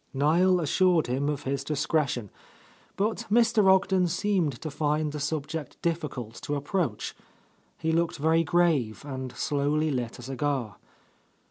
Niel assured him of his discretion, but Mr. Ogden seemed to find the subject difficult to ap proach.. He looked very grave and slowly lit a cigar.